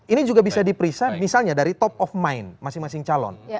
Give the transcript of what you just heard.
ini juga bisa diperiksa misalnya dari top of mind masing masing calon